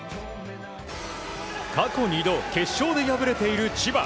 過去２度決勝で敗れている千葉。